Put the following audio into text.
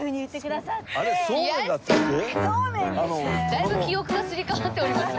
だいぶ記憶がすり替わっております